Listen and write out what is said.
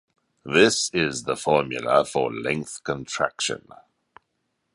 This is the formula for length contraction.